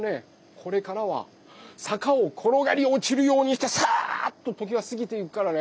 これからはさかをころがりおちるようにしてさっと時はすぎていくからね。